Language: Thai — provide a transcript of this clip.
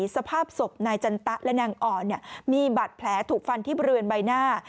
สภาพศพนายจันตะและนางอ่อนมีบาดแผลถูกฟันที่บริเวณใบหน้า